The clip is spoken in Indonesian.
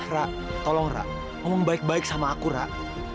rah tolong rah omong baik baik sama aku rah